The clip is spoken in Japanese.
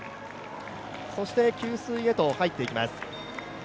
そして、給水へと入っていきます。